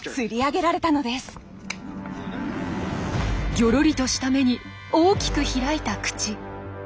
ギョロリとした目に大きく開いた口。